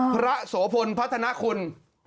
พระโสพลพัฒนะคุณ